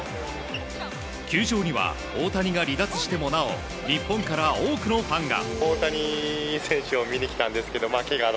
球場には大谷が離脱してもなお日本から多くのファンが。